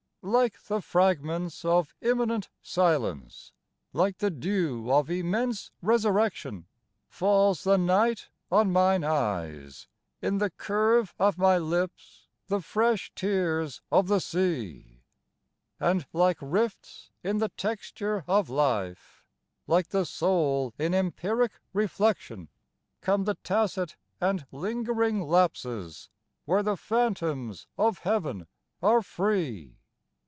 Like the fragments of immanent silence, like the dew of immense resurrection Falls the night on mine eyes, in the curve of my lips the fresh tears of the sea, And like rifts in the texture of life, like the soul in empiric reflection, 37 THE GATES OF LIFE Come the tacit and lingering lapses where the phantoms of Heaven are free.